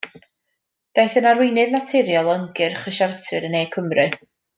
Daeth yn arweinydd naturiol o ymgyrch y siartwyr yn Ne Cymru.